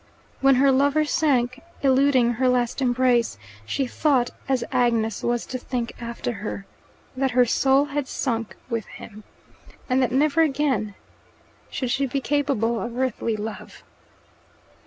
When her lover sank, eluding her last embrace, she thought, as Agnes was to think after her, that her soul had sunk with him, and that never again should she be capable of earthly love.